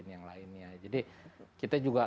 yang lainnya jadi kita juga